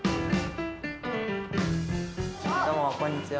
どうもこんにちは。